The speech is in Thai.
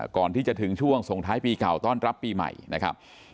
ก่อนที่จะถึงช่วงส่งท้ายปีเก่าต้อนรับปีใหม่นะครับ